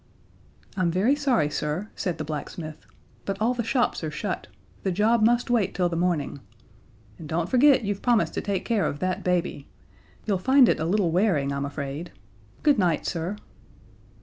"I'm very sorry, sir," said the blacksmith, "but all the shops are shut. The job must wait till the morning. And don't forget you've promised to take care of that baby. You'll find it a little wearing, I'm afraid. Good night, sir."